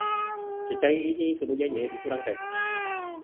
Cecair ini kemudiannya dikurangkan